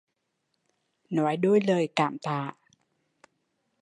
Nói đôi lời cảm tạ